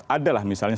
ada lah misalnya